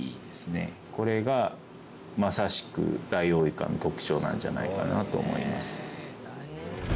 これがまさしくダイオウイカの特徴なんじゃないかと思います。